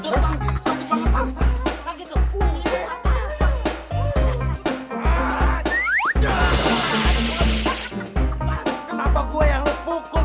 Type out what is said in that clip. dia yang pukul